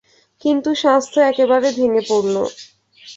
কিন্তু স্বাস্থ্য একেবারে ভেঙে পড়ল।